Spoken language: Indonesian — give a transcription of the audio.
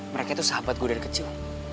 mereka tuh sahabat gue dari kecil